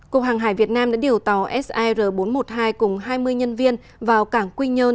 cục hàng hải việt nam đã điều tàu sir bốn trăm một mươi hai cùng hai mươi nhân viên vào cảng quy nhơn